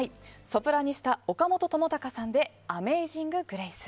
ソプラニスタ、岡本知高さんで「アメイジング・グレイス」。